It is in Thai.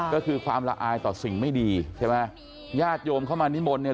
ก็คือความละอายต่อสิ่งไม่ดีใช่ไหมญาติโยมเข้ามานิมนต์เนี่ย